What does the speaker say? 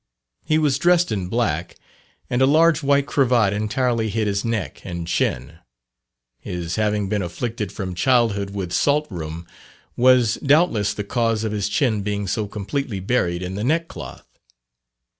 He was dressed in black, and a large white cravat entirely hid his neck and chin: his having been afflicted from childhood with salt rhum, was doubtless the cause of his chin being so completely buried in the neckcloth.